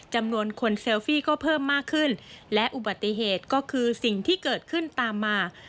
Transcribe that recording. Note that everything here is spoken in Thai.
จำนวนคนเซลฟี่ก็เพิ่มมากขึ้นและอุบัติเหตุก็คือสิ่งที่เกิดขึ้นตามมา